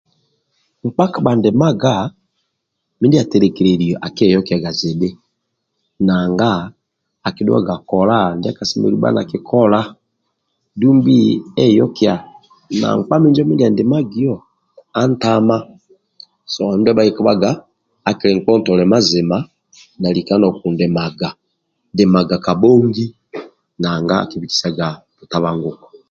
Nkpa kabhandimaga midia atelekelelio akiyokiaga zidhi nanga akidhuaga kola ndia kasemelelu bha nakikola dumbi eyekia na nkpa minjo mindia andimagio antama so ndia bhalikabhaga akili nkpa ontolia mazima na lika nokundimaga dimaga kabhongi nanga akibikisaga butabanguko